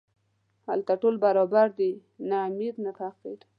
هلته ټول برابر دي، نه امیر نه فقیر.